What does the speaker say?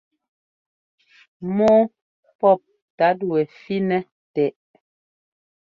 Mɔ́ɔ pɔ́p tát wɛ fí-nɛ tɛʼ.